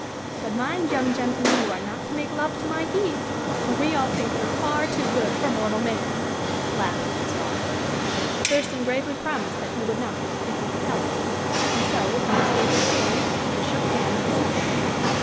"But mind, young gentleman, you are not to make love to my Hebe! for we all think her far too good for mortal man!" laughed Mrs. Waugh. Thurston gravely promised that he would not if he could help it. And so, with mutual good feeling, they shook hands and separated.